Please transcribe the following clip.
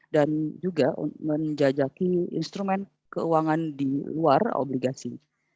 dan juga menjajaki instrumen keuangan di luar obligasi